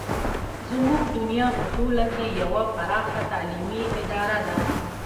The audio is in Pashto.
زموږ دنیا په ټوله کې یوه پراخه تعلیمي اداره ده.